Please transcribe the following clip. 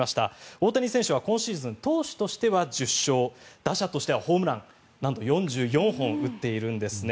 大谷選手は今シーズン投手としては１０勝打者としてはホームランなんと４４本打っているんですね。